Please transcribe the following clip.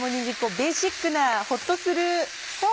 ベーシックなほっとする食材。